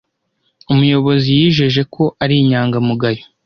Umuyobozi yijeje ko ari inyangamugayo.